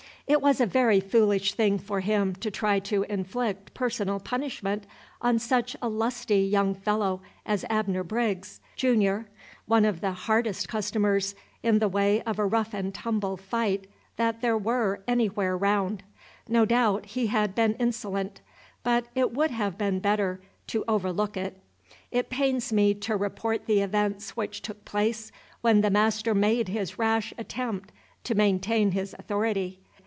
It was a very foolish thing for him to try to inflict personal punishment on such a lusty young fellow as Abner Briggs, Junior, one of the "hardest customers" in the way of a rough and tumble fight that there were anywhere round. No doubt he had been insolent, but it would have been better to overlook it. It pains me to report the events which took place when the master made his rash attempt to maintain his authority.